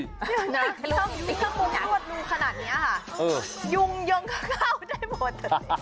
ถ้ามุมรวดรูขนาดนี้ยุงยังเข้าได้หมด